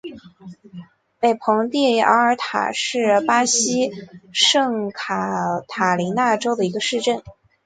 北蓬蒂阿尔塔是巴西圣卡塔琳娜州的一个市镇。